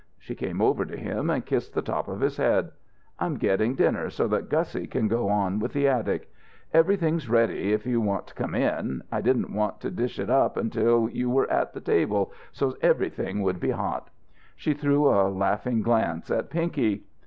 She came over to him and kissed the top of his head. "I'm getting dinner so that Gussie can go on with the attic. Everything's ready if you want to come in. I didn't want to dish up until you were at the table, so's everything would be hot." She threw a laughing glance at Pinky.